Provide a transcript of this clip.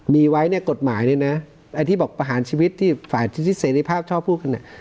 มีไว้เนี่ยกฎหมายเนี่ยนะไอ้ที่บอกประหารชีวิตที่ฝ่ายเสรีภาพชอบพูดกัน